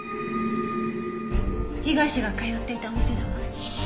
被害者が通っていたお店だわ。